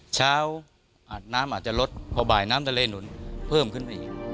อาบน้ำอาจจะลดพอบ่ายน้ำทะเลหนุนเพิ่มขึ้นไปอีก